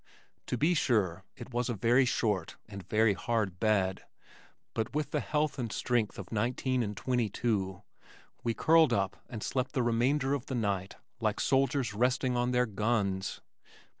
To be sure, it was a very short and very hard bed but with the health and strength of nineteen and twenty two, we curled up and slept the remainder of the night like soldiers resting on their guns.